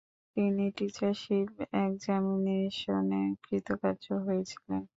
তিনি টিচারশিপ একজামিনেশনে কৃতকার্য হয়েছিলেন।